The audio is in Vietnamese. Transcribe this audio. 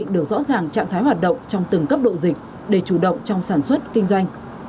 doanh nghiệp xác định được rõ ràng trạng thái hoạt động trong từng cấp độ dịch để chủ động trong sản xuất kinh doanh